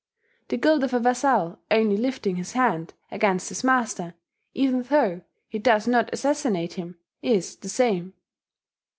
The guilt of a vassal only lifting his hand against his master, even though he does not assassinate him, is the same."